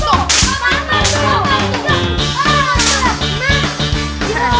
ini kita lihat